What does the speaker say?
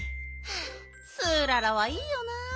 ツーララはいいよなあ。